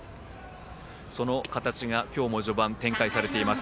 その形が今日も序盤展開されています。